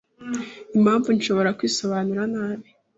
'Impamvu nshobora kwisobanura nabi